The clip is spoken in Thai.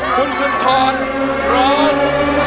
คุณสุนทรร้องได้ครับ